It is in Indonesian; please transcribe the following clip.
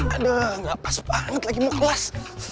aduh gak pas banget lagi mau ngelas